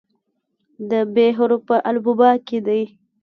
د "ب" حرف په الفبا کې دی.